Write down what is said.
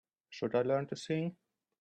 Should I learn to sing?